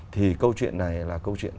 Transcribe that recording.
thì câu chuyện này là câu chuyện